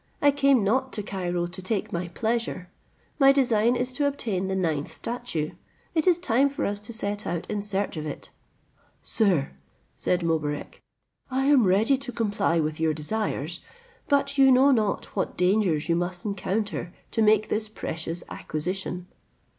I came not to Cairo to take my pleasure; my design is to obtain the ninth statue; it is time for us to set out in search of it." "Sir," said Mobarec, "I am ready to comply with your desires; but you know not what dangers you must encounter to make this precious acquisition."